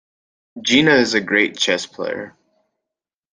Gina is a great chess player.